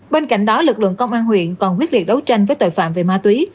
bên cạnh đó lực lượng công an huyện còn quyết liệt đấu tranh với tội phạm về ma túy